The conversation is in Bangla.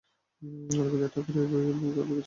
রবীন্দ্রনাথ ঠাকুর এই বইয়ের ভূমিকা লিখেছিলেন।